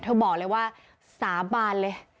บอกเลยว่าสาบานเลย